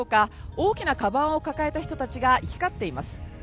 大きなかばんを抱えた人たちが行き交っています。